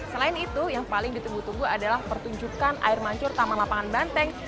selain itu yang paling ditunggu tunggu adalah pertunjukan air mancur taman lapangan banteng